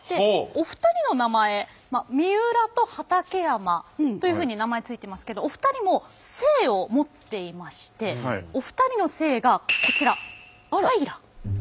お二人の名前三浦と畠山というふうに名前付いていますけどお二人も姓を持っていましてお二人の姓がこちら平。